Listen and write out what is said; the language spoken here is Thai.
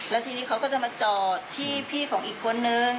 แล้วทีนี้เขาก็จะมาจอดที่พี่ของอีกคนนึง